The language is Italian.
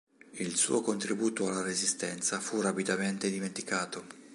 Il suo contributo alla Resistenza fu rapidamente dimenticato.